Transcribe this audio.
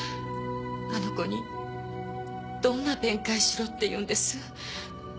あの子にどんな弁解しろって言うんです？